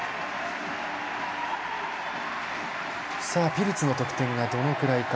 ピルツの得点がどのくらいか。